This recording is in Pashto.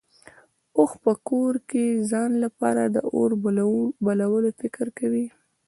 اوښ په کور کې ځان لپاره د اور بلولو فکر کوي.